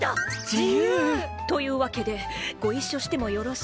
自由！というわけでご一緒してもよろしいだろうか？